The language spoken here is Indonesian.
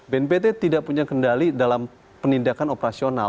bnpt tidak punya kendali dalam penindakan operasional